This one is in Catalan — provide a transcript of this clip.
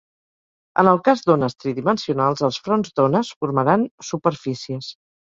En el cas d'ones tridimensionals, els fronts d'ones formaran superfícies.